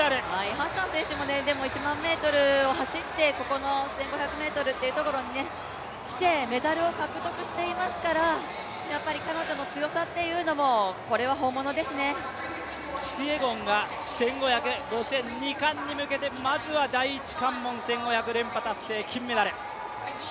ハッサン選手も１００００ｍを走ってここの１５００ｍというところにきてメダルを獲得していますから、やっぱり彼女の強さというのもキピエゴンが１５００、５０００、２冠に向けて２冠に向けてまずは第１関門、１５００連覇達成、金メダル。